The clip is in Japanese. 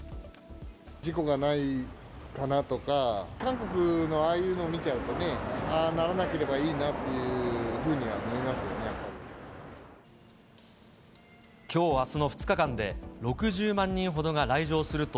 事故がないかなとか、韓国のああいうのを見ちゃうとね、ああならなければいいなというふうには思いますよね、やっぱり。